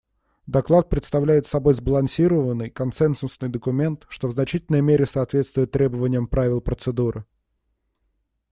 Доклад представляет собой сбалансированный консенсусный документ, что в значительной мере соответствует требованиям правил процедуры.